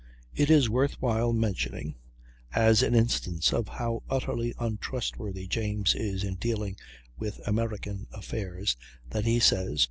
It is worth while mentioning as an instance of how utterly untrustworthy James is in dealing with American affairs, that he says (p.